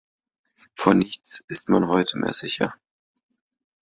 Vor nichts ist man heute mehr sicher.